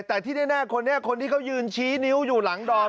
แต่ที่แน่คนนี้คนที่เขายืนชี้นิ้วอยู่หลังดอม